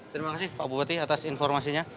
terima kasih pak bupati atas informasinya